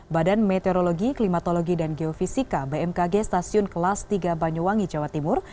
badan meteorologi klimatologi dan geofisika bmkg stasiun kelas tiga banyuwangi jawa timur